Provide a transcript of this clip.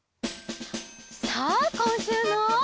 さあこんしゅうの。